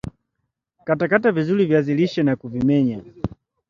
Katakata vizuri viazi lishe na kuvimenya